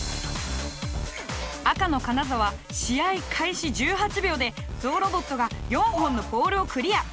赤の金沢試合開始１８秒でゾウロボットが４本のポールをクリア！